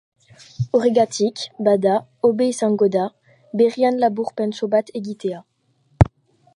Horregatik, bada, hobe izango da berrien laburpentxo bat egitea.